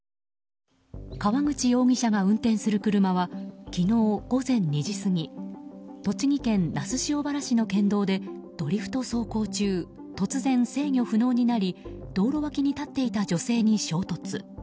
川口容疑者が運転する車は昨日午前２時過ぎ栃木県那須塩原市の県道でドリフト走行中突然制御不能になり道路脇に立っていた女性に衝突。